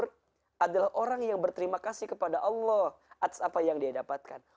adalah orang yang berterima kasih kepada allah atas apa yang dia dapatkan